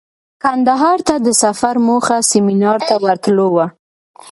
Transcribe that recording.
کندهار ته د سفر موخه سمینار ته ورتلو وه.